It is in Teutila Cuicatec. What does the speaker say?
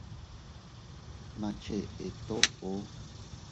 Ma cheʼe toʼo.